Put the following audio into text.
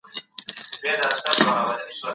دولت تر هغه مخکي داخلي سکتور نه و هڅولی.